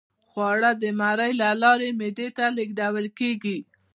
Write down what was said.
خواړه د مرۍ له لارې معدې ته لیږدول کیږي